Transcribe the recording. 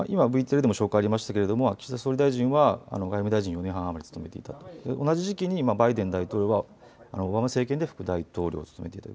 今、ＶＴＲでも紹介ありましたが岸田総理大臣は外務大臣を４年半務めていたと、同じ時期にバイデン大統領はオバマ政権で副大統領を務めていた。